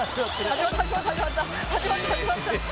始まった始まった。